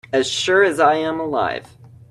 As sure as I am alive